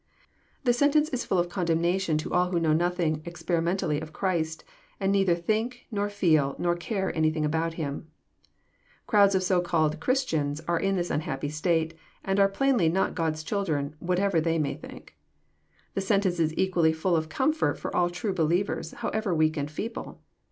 The sentence is ftill of condemnation to all who know nothing experimentally of Christ, and neither think, nor feel, nor care anything about Him. Crowds of so called Christians are in this unhappy state, and are plainly not God's children, whatever they may think. — The sentence is equally ftiU of comfort for all true believers, however weak and feeble.